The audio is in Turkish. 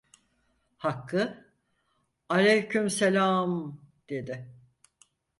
Hakkı: "Aleykümselam" dedi.